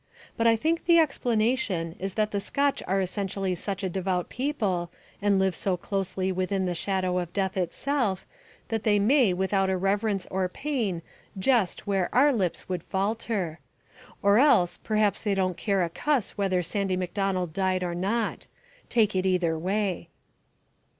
But I think the explanation is that the Scotch are essentially such a devout people and live so closely within the shadow of death itself that they may without irreverence or pain jest where our lips would falter. Or else, perhaps they don't care a cuss whether Sandy MacDonald died or not. Take it either way.